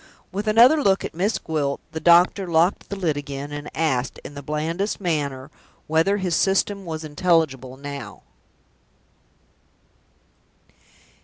With another look at Miss Gwilt, the doctor locked the lid again, and asked, in the blandest manner, whether his System was intelligible now?